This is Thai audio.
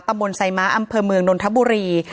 มนต์ไซม้าอำเภอเมืองนนทบุรี